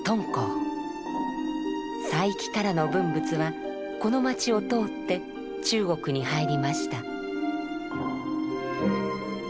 西域からの文物はこの町を通って中国に入りました。